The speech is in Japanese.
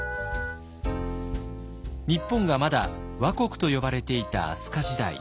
日本がまだ倭国と呼ばれていた飛鳥時代。